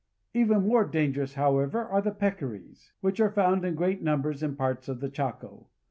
Even more dangerous, however, are the peccaries, which are found in great numbers in parts of the Chaco.